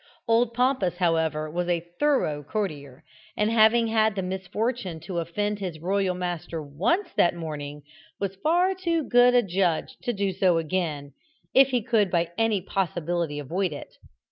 Old Pompous, however, was a thorough courtier, and having had the misfortune to offend his royal master once that morning, was far too good a judge to do so again, if he could by any possibility avoid it.